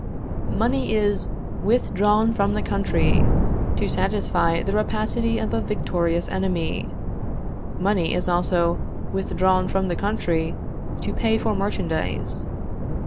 Money is withdrawn from the country to satisfy the rapacity of a victorious enemy: money is also withdrawn from the country to pay for merchandise.